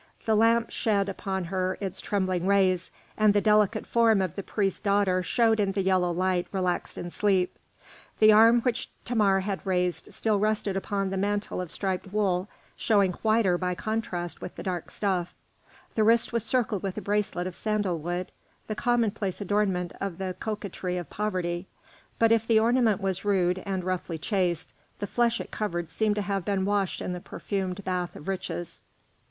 The lamp shed upon her its trembling rays, and the delicate form of the priest's daughter showed in the yellow light relaxed in sleep. The arm which Thamar had raised still rested upon the mantle of striped wool, showing whiter by contrast with the dark stuff; the wrist was circled with a bracelet of sandal wood, the commonplace adornment of the coquetry of poverty; but if the ornament was rude and roughly chased, the flesh it covered seemed to have been washed in the perfumed bath of riches.